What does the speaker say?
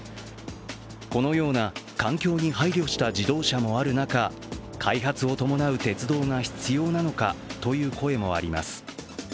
このような環境に配慮した自動車もある中、開発を伴う鉄道が必要なのかという声もあります。